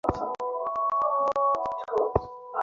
বৃদ্ধেরা মাতৃহারা শিশুসন্তানের মতো কাঁদিতে লাগিল, মা, ওমা!